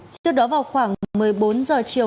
trước đó vào khoảng một mươi bốn h chiều